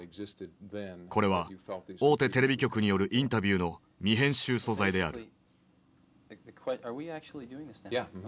これは大手テレビ局によるインタビューの未編集素材である。